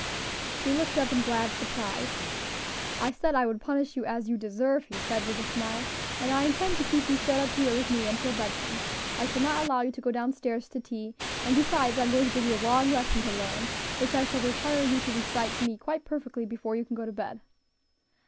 She looked up in glad surprise. "I said I would punish you as you deserve," he said, with a smile, "and I intend to keep you shut up here with me until bed time, I shall not allow you to go down stairs to tea, and besides, I am going to give you a long lesson to learn, which I shall require you to recite to me quite perfectly before you can go to bed."